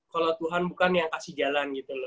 kalau tuhan bukan yang kasih jalan gitu loh